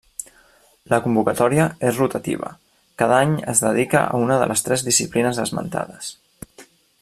La convocatòria és rotativa, cada any es dedica a una de les tres disciplines esmentades.